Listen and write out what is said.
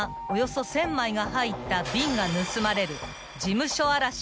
およそ１，０００枚が入った瓶が盗まれる事務所荒らしが発生］